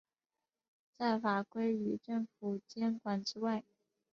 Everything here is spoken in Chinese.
在法规与政府监管之外。